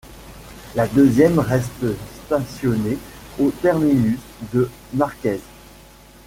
La deuxième reste stationnée au terminus de Marquèze.